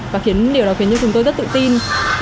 và điều đó khiến chúng tôi rất tự tin